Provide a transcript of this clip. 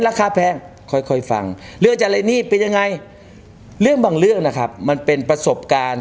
ราคาแพงค่อยฟังเรื่องอะไรนี่เป็นยังไงเรื่องบางเรื่องนะครับมันเป็นประสบการณ์